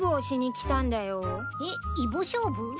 えっイボ勝負？